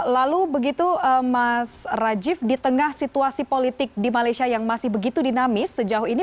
lalu begitu mas rajif di tengah situasi politik di malaysia yang masih begitu dinamis sejauh ini